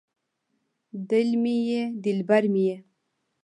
دل مې یې دلبر مې یې